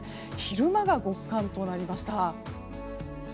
昼間が極寒となりました。